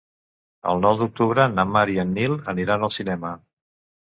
El nou d'octubre na Mar i en Nil aniran al cinema.